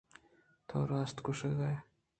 تو راست گوٛشگائے